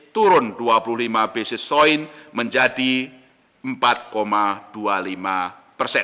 turun dua puluh lima basis point menjadi empat dua puluh lima persen